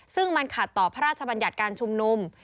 ซึ่งมันขัดต่อพระราชบัญญัติการชุมนุม